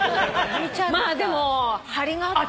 まあでも張りがあったね。